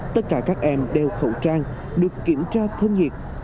tất cả các em đeo khẩu trang được kiểm tra thân nhiệt